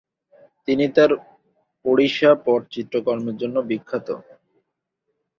তিনি তার ওড়িশা পট চিত্রকর্মের জন্য বিখ্যাত।